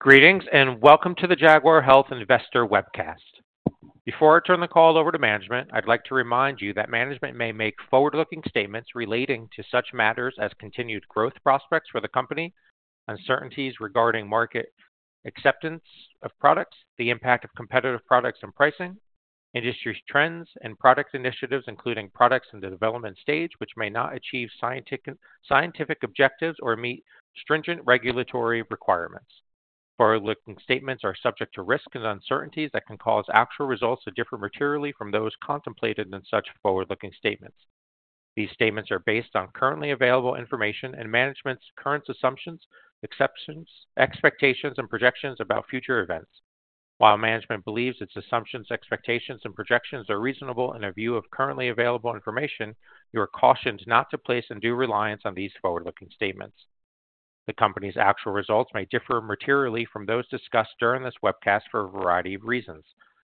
Greetings and welcome to the Jaguar Health Investor webcast. Before I turn the call over to management, I'd like to remind you that management may make forward-looking statements relating to such matters as continued growth prospects for the company, uncertainties regarding market acceptance of products, the impact of competitive products and pricing, industry trends, and product initiatives including products in the development stage which may not achieve scientific objectives or meet stringent regulatory requirements. Forward-looking statements are subject to risks and uncertainties that can cause actual results to differ materially from those contemplated in such forward-looking statements. These statements are based on currently available information and management's current assumptions, expectations, and projections about future events. While management believes its assumptions, expectations, and projections are reasonable in a view of currently available information, you are cautioned not to place undue reliance on these forward-looking statements. The company's actual results may differ materially from those discussed during this webcast for a variety of reasons,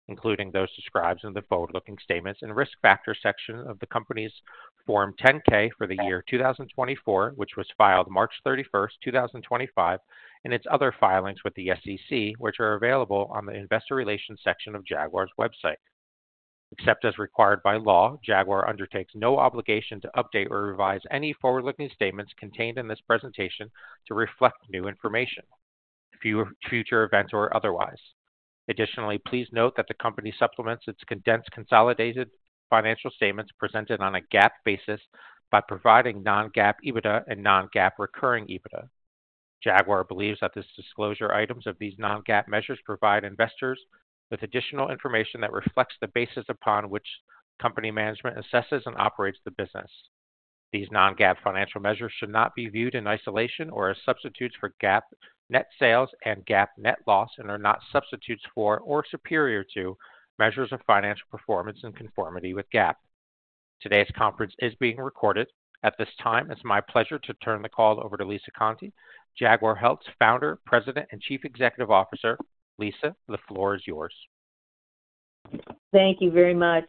including those described in the forward-looking statements and risk factor section of the company's Form 10-K for the year 2024, which was filed March 31, 2025, and its other filings with the SEC, which are available on the investor relations section of Jaguar's website. Except as required by law, Jaguar undertakes no obligation to update or revise any forward-looking statements contained in this presentation to reflect new information, future events, or otherwise. Additionally, please note that the company supplements its condensed consolidated financial statements presented on a GAAP basis by providing non-GAAP EBITDA and non-GAAP recurring EBITDA. Jaguar believes that this disclosure items of these non-GAAP measures provide investors with additional information that reflects the basis upon which the company management assesses and operates the business. These non-GAAP financial measures should not be viewed in isolation or as substitutes for GAAP net sales and GAAP net loss and are not substitutes for or superior to measures of financial performance in conformity with GAAP. Today's conference is being recorded. At this time, it's my pleasure to turn the call over to Lisa Conte, Jaguar Health's founder, president, and chief executive officer. Lisa, the floor is yours. Thank you very much.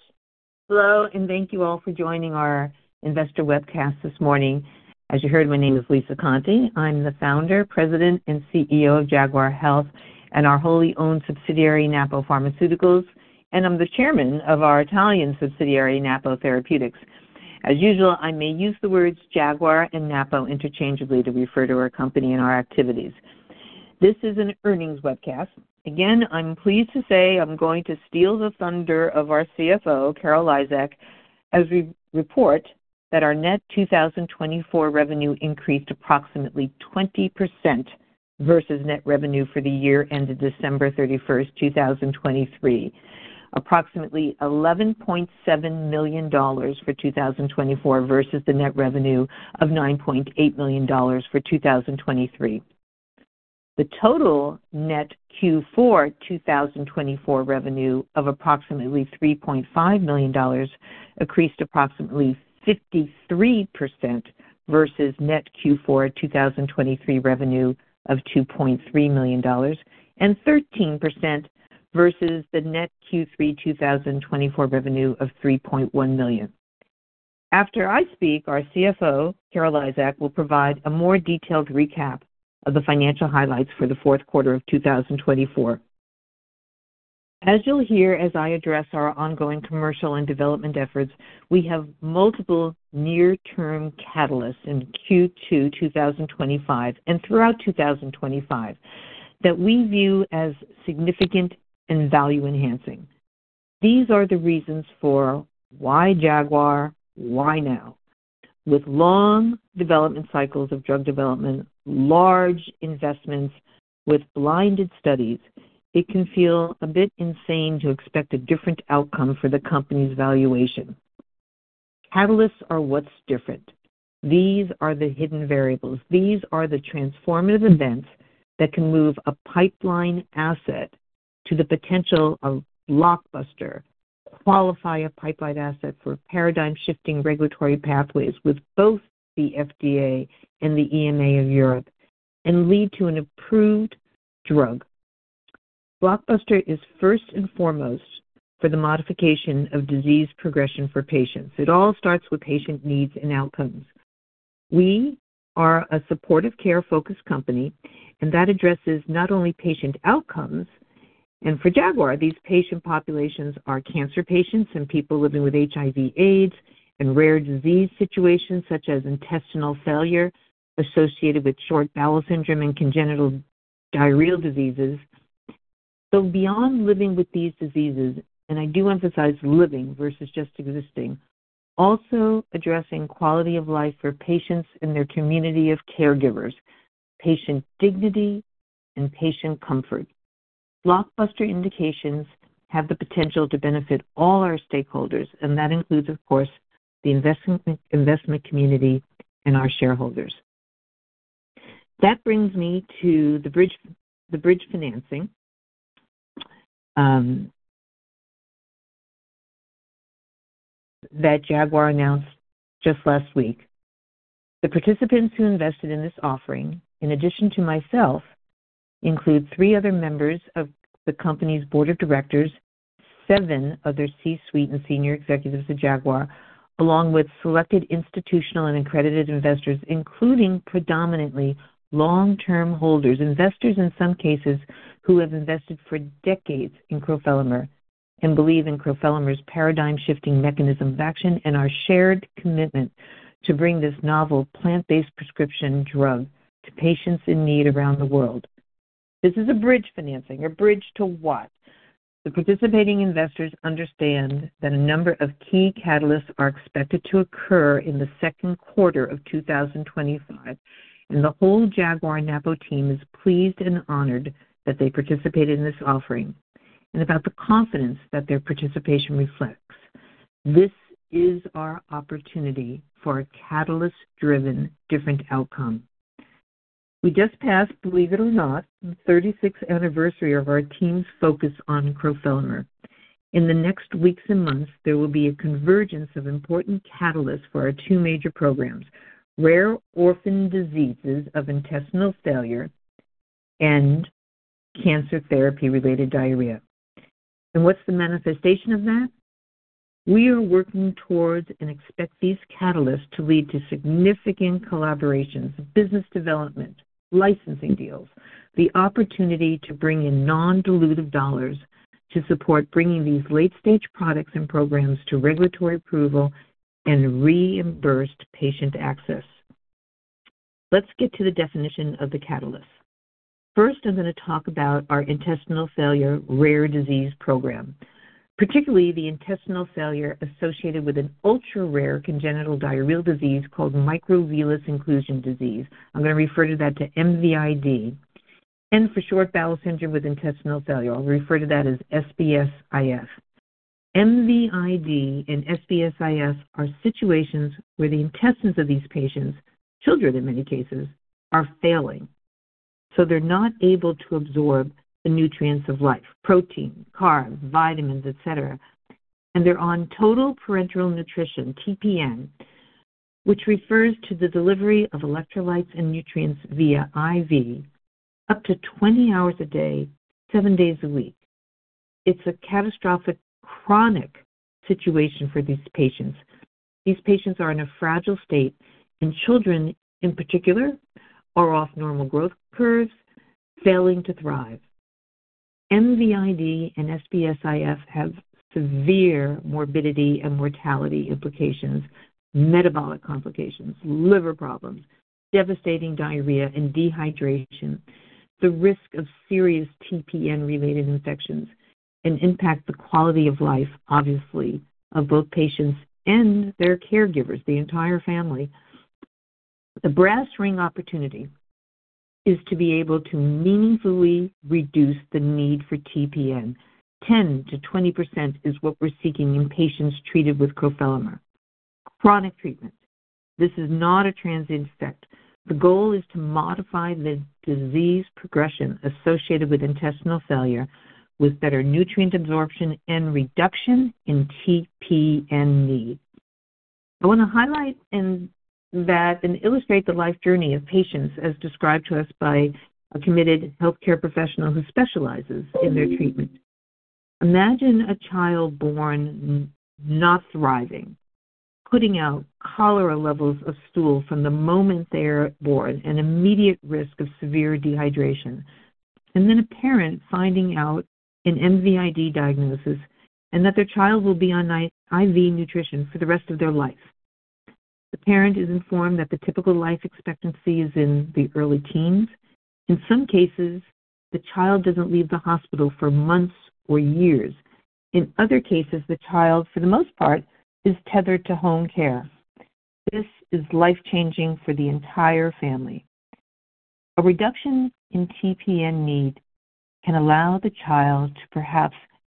Hello, and thank you all for joining our investor webcast this morning. As you heard, my name is Lisa Conte. I'm the founder, president, and CEO of Jaguar Health and our wholly owned subsidiary, Napo Pharmaceuticals, and I'm the chairman of our Italian subsidiary, Napo Therapeutics. As usual, I may use the words Jaguar and Napo interchangeably to refer to our company and our activities. This is an earnings webcast. Again, I'm pleased to say I'm going to steal the thunder of our CFO, Carol Lizak, as we report that our net 2024 revenue increased approximately 20% versus net revenue for the year ended December 31, 2023, approximately $11.7 million for 2024 versus the net revenue of $9.8 million for 2023. The total net Q4 2024 revenue of approximately $3.5 million increased approximately 53% versus net Q4 2023 revenue of $2.3 million and 13% versus the net Q3 2024 revenue of $3.1 million. After I speak, our CFO, Carol Lizak, will provide a more detailed recap of the financial highlights for the fourth quarter of 2024. As you'll hear as I address our ongoing commercial and development efforts, we have multiple near-term catalysts in Q2 2025 and throughout 2025 that we view as significant and value-enhancing. These are the reasons for why Jaguar, why now. With long development cycles of drug development, large investments with blinded studies, it can feel a bit insane to expect a different outcome for the company's valuation. Catalysts are what's different. These are the hidden variables. These are the transformative events that can move a pipeline asset to the potential of Blockbuster to qualify a pipeline asset for paradigm-shifting regulatory pathways with both the FDA and the EMA of Europe and lead to an approved drug. Blockbuster is first and foremost for the modification of disease progression for patients. It all starts with patient needs and outcomes. We are a supportive care-focused company, and that addresses not only patient outcomes. For Jaguar, these patient populations are cancer patients and people living with HIV/AIDS and rare disease situations such as intestinal failure associated with short bowel syndrome and congenital diarrheal diseases. Beyond living with these diseases, and I do emphasize living versus just existing, also addressing quality of life for patients and their community of caregivers, patient dignity, and patient comfort. Blockbuster indications have the potential to benefit all our stakeholders, and that includes, of course, the investment community and our shareholders. That brings me to the bridge financing that Jaguar announced just last week. The participants who invested in this offering, in addition to myself, include three other members of the company's board of directors, seven other C-suite and senior executives of Jaguar, along with selected institutional and accredited investors, including predominantly long-term holders, investors in some cases who have invested for decades in Crofelemer and believe in Crofelemer's paradigm-shifting mechanism of action and our shared commitment to bring this novel plant-based prescription drug to patients in need around the world. This is a bridge financing, a bridge to what? The participating investors understand that a number of key catalysts are expected to occur in the second quarter of 2025, and the whole Jaguar and Napo team is pleased and honored that they participated in this offering and about the confidence that their participation reflects. This is our opportunity for a catalyst-driven different outcome. We just passed, believe it or not, the 36th anniversary of our team's focus on Crofelemer. In the next weeks and months, there will be a convergence of important catalysts for our two major programs: rare orphan diseases of intestinal failure and cancer therapy-related diarrhea. What's the manifestation of that? We are working towards and expect these catalysts to lead to significant collaborations, business development, licensing deals, the opportunity to bring in non-dilutive dollars to support bringing these late-stage products and programs to regulatory approval and reimbursed patient access. Let's get to the definition of the catalyst. First, I'm going to talk about our intestinal failure rare disease program, particularly the intestinal failure associated with an ultra-rare congenital diarrheal disease called microvillus inclusion disease. I'm going to refer to that as MVID, and for short bowel syndrome with intestinal failure, I'll refer to that as SBS-IF. MVID and SBS-IF are situations where the intestines of these patients, children in many cases, are failing. They are not able to absorb the nutrients of life, protein, carbs, vitamins, etc. They are on total parenteral nutrition, TPN, which refers to the delivery of electrolytes and nutrients via IV up to 20 hours a day, seven days a week. It's a catastrophic chronic situation for these patients. These patients are in a fragile state, and children in particular are off normal growth curves, failing to thrive. MVID and SBS-IF have severe morbidity and mortality implications, metabolic complications, liver problems, devastating diarrhea and dehydration, the risk of serious TPN-related infections, and impact the quality of life, obviously, of both patients and their caregivers, the entire family. The brass ring opportunity is to be able to meaningfully reduce the need for TPN. 10%-20% is what we're seeking in patients treated with Crofelemer. Chronic treatment. This is not a transient effect. The goal is to modify the disease progression associated with intestinal failure with better nutrient absorption and reduction in TPN needs. I want to highlight and illustrate the life journey of patients as described to us by a committed healthcare professional who specializes in their treatment. Imagine a child born not thriving, putting out cholera levels of stool from the moment they're born, an immediate risk of severe dehydration, and then a parent finding out an MVID diagnosis and that their child will be on IV nutrition for the rest of their life. The parent is informed that the typical life expectancy is in the early teens. In some cases, the child doesn't leave the hospital for months or years. In other cases, the child, for the most part, is tethered to home care. This is life-changing for the entire family. A reduction in TPN need can allow the child to perhaps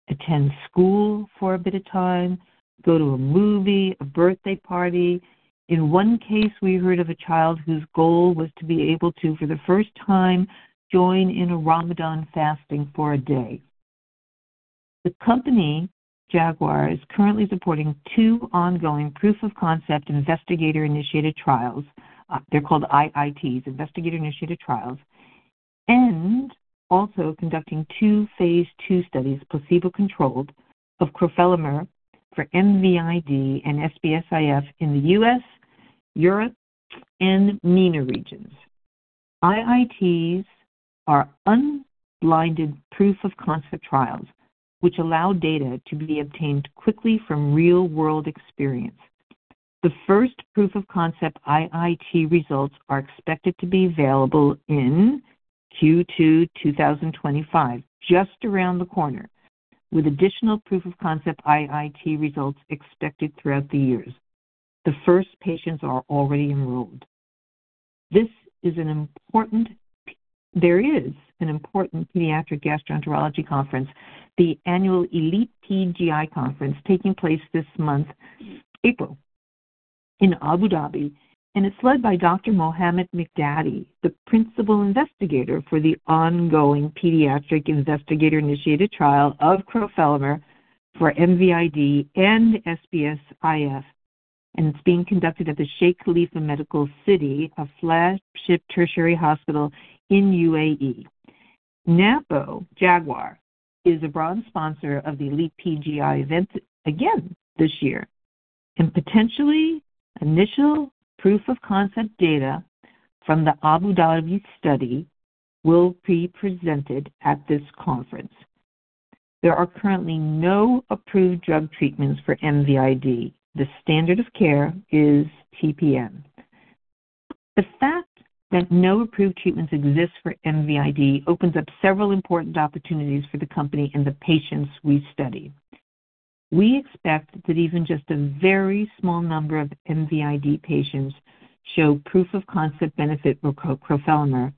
attend school for a bit of time, go to a movie, a birthday party. In one case, we heard of a child whose goal was to be able to, for the first time, join in a Ramadan fasting for a day. The company, Jaguar, is currently supporting two ongoing proof-of-concept investigator-initiated trials. They're called IITs, investigator-initiated trials, and also conducting two phase two studies, placebo-controlled, of Crofelemer for MVID and SBS-IF in the U.S., Europe, and MENA regions. IITs are unblinded proof-of-concept trials, which allow data to be obtained quickly from real-world experience. The first proof-of-concept IIT results are expected to be available in Q2 2025, just around the corner, with additional proof-of-concept IIT results expected throughout the years. The first patients are already enrolled. This is an important—there is an important pediatric gastroenterology conference, the annual ELITE Ped-GI Conference, taking place this month, April, in Abu Dhabi, and it's led by Dr. Mohamad Miqdady, the principal investigator for the ongoing pediatric investigator-initiated trial of Crofelemer for MVID and SBS-IF, and it's being conducted at the Sheikh Khalifa Medical City, a flagship tertiary hospital in UAE. Napo, Jaguar, is a broad sponsor of the Elite PGI event again this year, and potentially initial proof-of-concept data from the Abu Dhabi study will be presented at this conference. There are currently no approved drug treatments for MVID. The standard of care is TPN. The fact that no approved treatments exist for MVID opens up several important opportunities for the company and the patients we study. We expect that even just a very small number of MVID patients show proof-of-concept benefit for Crofelemer.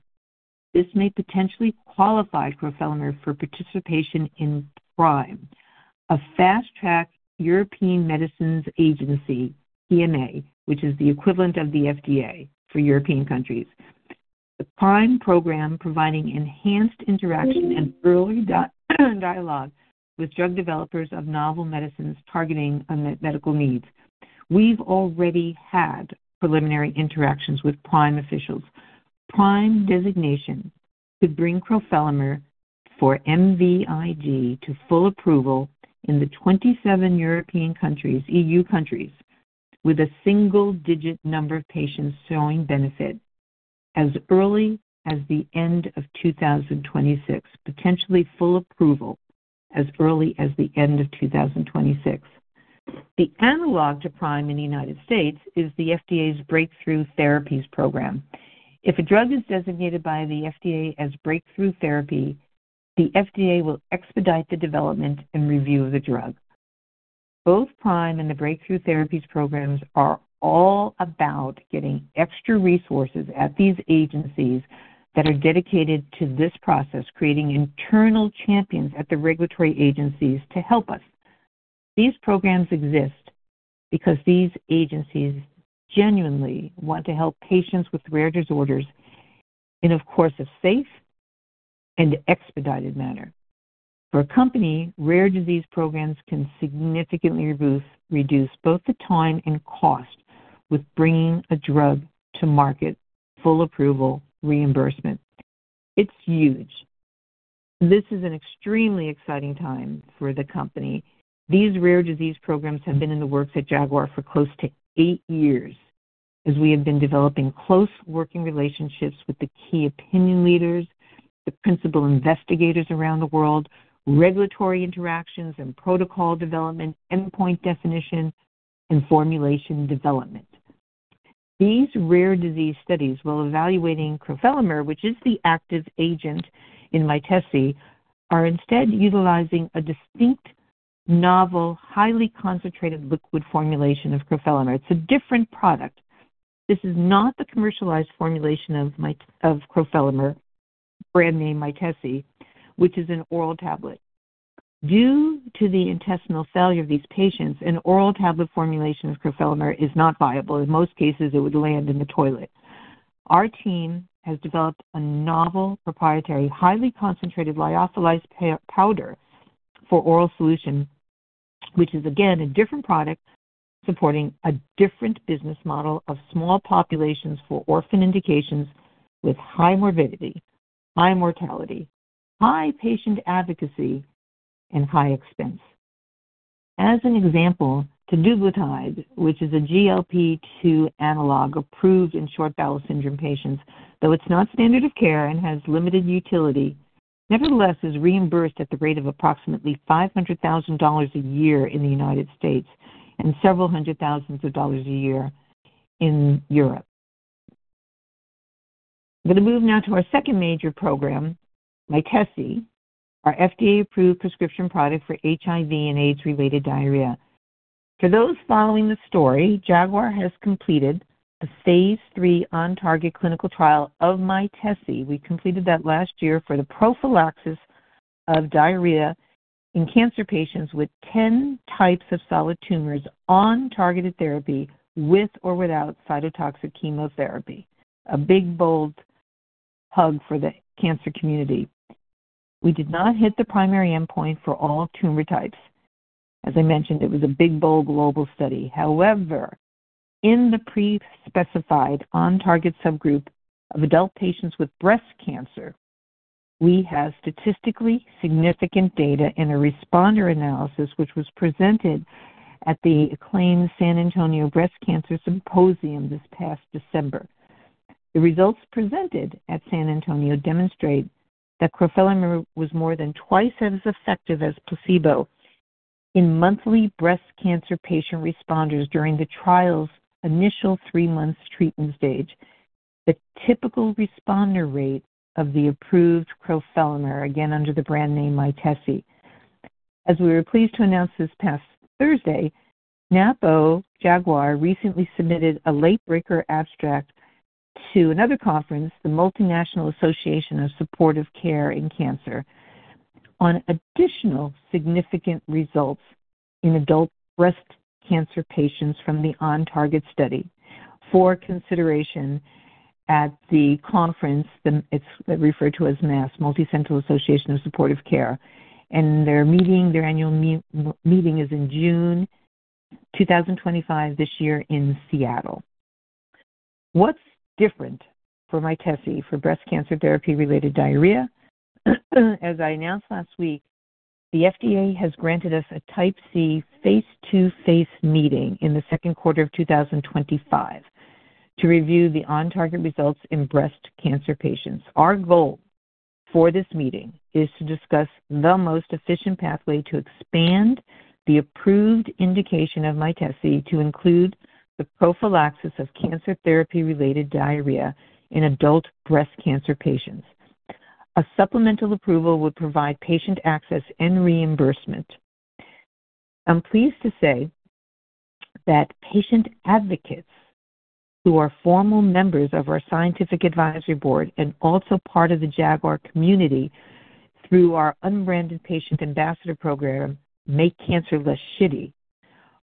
This may potentially qualify Crofelemer for participation in PRIME, a fast-track European Medicines Agency, EMA, which is the equivalent of the FDA for European countries. The PRIME program providing enhanced interaction and early dialogue with drug developers of novel medicines targeting medical needs. We've already had preliminary interactions with PRIME officials. PRIME designation could bring Crofelemer for MVID to full approval in the 27 European countries, EU countries, with a single-digit number of patients showing benefit as early as the end of 2026, potentially full approval as early as the end of 2026. The analog to PRIME in the United States is the FDA's Breakthrough Therapies program. If a drug is designated by the FDA as breakthrough therapy, the FDA will expedite the development and review of the drug. Both PRIME and the Breakthrough Therapies programs are all about getting extra resources at these agencies that are dedicated to this process, creating internal champions at the regulatory agencies to help us. These programs exist because these agencies genuinely want to help patients with rare disorders in, of course, a safe and expedited manner. For a company, rare disease programs can significantly reduce both the time and cost with bringing a drug to market with full approval reimbursement. It's huge. This is an extremely exciting time for the company. These rare disease programs have been in the works at Jaguar for close to eight years as we have been developing close working relationships with the key opinion leaders, the principal investigators around the world, regulatory interactions and protocol development, endpoint definition, and formulation development. These rare disease studies while evaluating Crofelemer, which is the active agent in Mytesi, are instead utilizing a distinct, novel, highly concentrated liquid formulation of Crofelemer. It's a different product, but this is not the commercialized formulation of Crofelemer, brand name Mytesi, which is an oral tablet. Due to the intestinal failure of these patients, an oral tablet formulation of Crofelemer is not viable. In most cases, it would land in the toilet. Our team has developed a novel proprietary highly concentrated lyophilized powder for oral solution, which is again a different product supporting a different business model of small populations for orphan indications with high morbidity, high mortality, high patient advocacy, and high expense. As an example, Teduglutide, which is a GLP-2 analog approved in short bowel syndrome patients, though it's not standard of care and has limited utility, nevertheless is reimbursed at the rate of approximately $500,000 a year in the United States and several hundred thousands of dollars a year in Europe. I'm going to move now to our second major program, Mytesi, our FDA-approved prescription product for HIV and AIDS-related diarrhea. For those following the story, Jaguar has completed a phase three OnTarget clinical trial of Mytesi. We completed that last year for the prophylaxis of diarrhea in cancer patients with 10 types of solid tumors on targeted therapy with or without cytotoxic chemotherapy. A big, bold hug for the cancer community. We did not hit the primary endpoint for all tumor types. As I mentioned, it was a big, bold global study. However, in the pre-specified on-target subgroup of adult patients with breast cancer, we have statistically significant data in a responder analysis which was presented at the acclaimed San Antonio Breast Cancer Symposium this past December. The results presented at San Antonio demonstrate that Crofelemer was more than twice as effective as placebo in monthly breast cancer patient responders during the trial's initial three-month treatment stage. The typical responder rate of the approved Crofelemer, again under the brand name Mytesi. As we were pleased to announce this past Thursday, Napo, Jaguar, recently submitted a late-breaker abstract to another conference, the Multinational Association of Supportive Care in Cancer, on additional significant results in adult breast cancer patients from the OnTarget study. For consideration at the conference, it's referred to as MASCC, Multinational Association of Supportive Care, and their meeting, their annual meeting is in June 2025 this year in Seattle. What's different for Mytesi for breast cancer therapy-related diarrhea? As I announced last week, the FDA has granted us aType C face-to-face meeting A supplemental approval would provide patient access and reimbursement. I'm pleased to say that patient advocates who are formal members of our scientific advisory board and also part of the Jaguar community through our unbranded patient ambassador program, Make Cancer Less Shitty,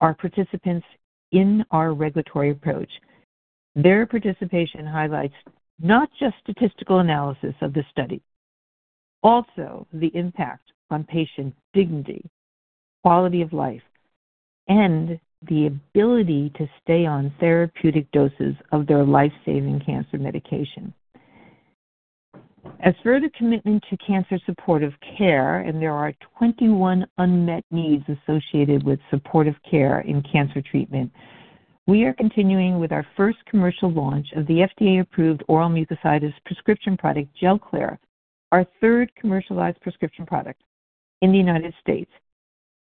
are participants in our regulatory approach. Their participation highlights not just statistical analysis of the study, also the impact on patient dignity, quality of life, and the ability to stay on therapeutic doses of their lifesaving cancer medication. As for the commitment to cancer supportive care, and there are 21 unmet needs associated with supportive care in cancer treatment, we are continuing with our first commercial launch of the FDA-approved oral mucositis prescription product, Gelclair, our third commercialized prescription product in the United States.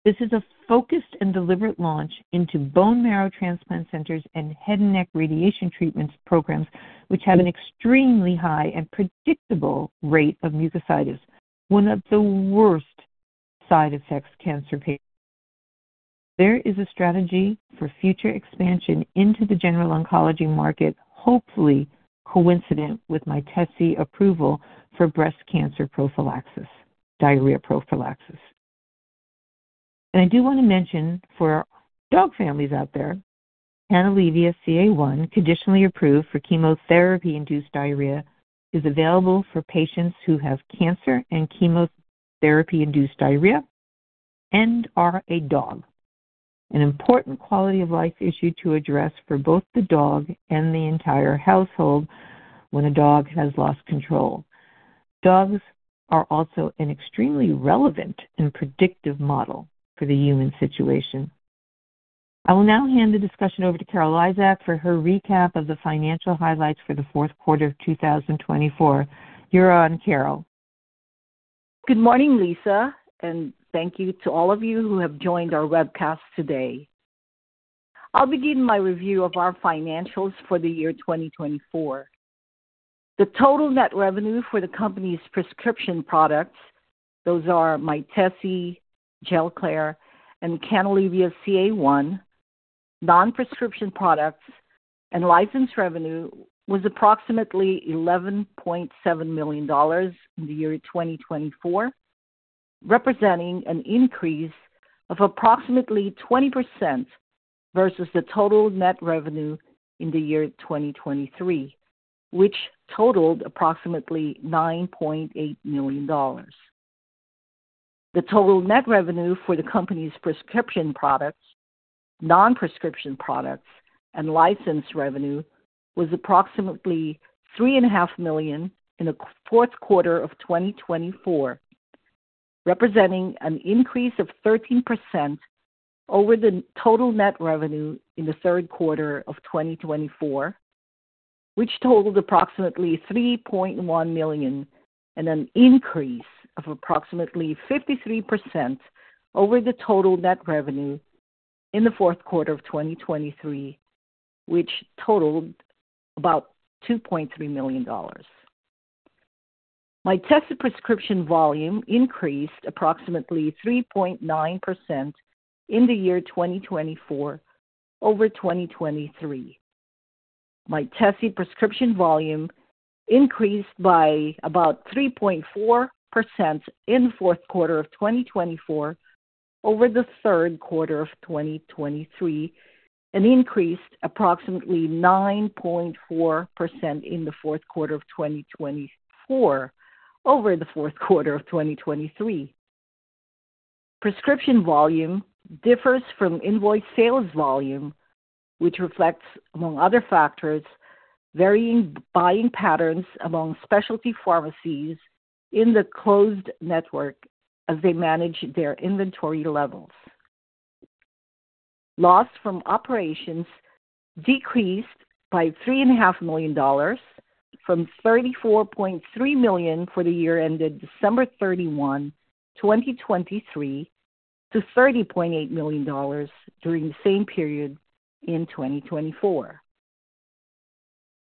This is a focused and deliberate launch into bone marrow transplant centers and head and neck radiation treatment programs, which have an extremely high and predictable rate of mucositis, one of the worst side effects cancer patients face. There is a strategy for future expansion into the general oncology market, hopefully coincident with Mytesi approval for breast cancer prophylaxis, diarrhea prophylaxis. I do want to mention for our dog families out there, Canalevia-CA1, conditionally approved for chemotherapy-induced diarrhea, is available for patients who have cancer and chemotherapy-induced diarrhea and are a dog. An important quality of life issue to address for both the dog and the entire household when a dog has lost control. Dogs are also an extremely relevant and predictive model for the human situation. I will now hand the discussion over to Carol Lizak for her recap of the financial highlights for the fourth quarter of 2024. You're on, Carol. Good morning, Lisa, and thank you to all of you who have joined our webcast today. I'll begin my review of our financials for the year 2024. The total net revenue for the company's prescription products, those are Mytesi, Gelclair, and CANALIVIA CA1, non-prescription products and license revenue, was approximately $11.7 million in the year 2024, representing an increase of approximately 20% versus the total net revenue in the year 2023, which totaled approximately $9.8 million. The total net revenue for the company's prescription products, non-prescription products, and license revenue was approximately $3.5 million in the fourth quarter of 2024, representing an increase of 13% over the total net revenue in the third quarter of 2024, which totaled approximately $3.1 million, and an increase of approximately 53% over the total net revenue in the fourth quarter of 2023, which totaled about $2.3 million. Mytesi prescription volume increased approximately 3.9% in the year 2024 over 2023. Mytesi prescription volume increased by about 3.4% in the fourth quarter of 2024 over the third quarter of 2023 and increased approximately 9.4% in the fourth quarter of 2024 over the fourth quarter of 2023. Prescription volume differs from invoice sales volume, which reflects, among other factors, varying buying patterns among specialty pharmacies in the closed network as they manage their inventory levels. Loss from operations decreased by $3.5 million from $34.3 million for the year ended December 31, 2023, to $30.8 million during the same period in 2024.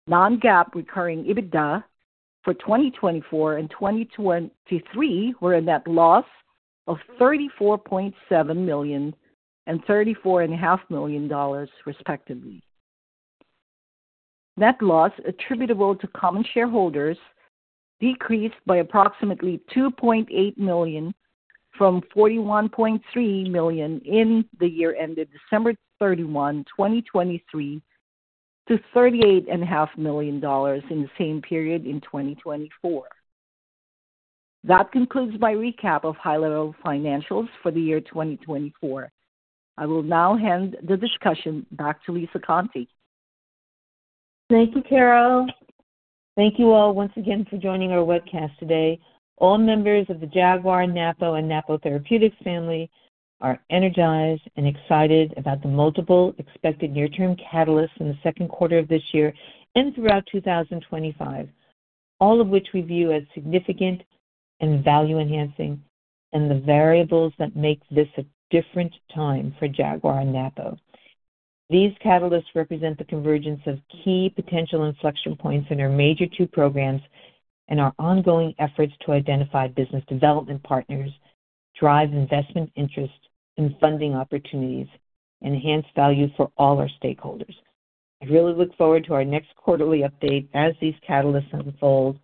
Non-GAAP recurring EBITDA for 2024 and 2023 were a net loss of $34.7 million and $34.5 million, respectively. Net loss attributable to common shareholders decreased by approximately $2.8 million from $41.3 million in the year ended December 31, 2023, to $38.5 million in the same period in 2024. That concludes my recap of high-level financials for the year 2024. I will now hand the discussion back to Lisa Conte. Thank you, Carol. Thank you all once again for joining our webcast today. All members of the Jaguar, Napo, and Napo Therapeutics family are energized and excited about the multiple expected near-term catalysts in the second quarter of this year and throughout 2025, all of which we view as significant and value-enhancing and the variables that make this a different time for Jaguar and Napo. These catalysts represent the convergence of key potential inflection points in our major two programs and our ongoing efforts to identify business development partners, drive investment interest in funding opportunities, and enhance value for all our stakeholders. I really look forward to our next quarterly update as these catalysts unfold.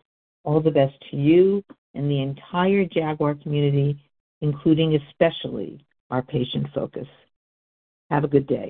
All the best to you and the entire Jaguar community, including especially our patient focus. Have a good day.